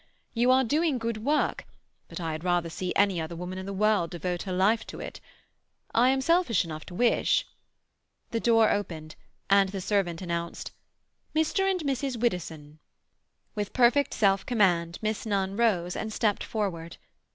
You are doing good work, but I had rather see any other woman in the world devote her life to it. I am selfish enough to wish—" The door opened, and the servant announced,— "Mr. and Mrs. Widdowson." With perfect self command Miss Nunn rose and stepped forward.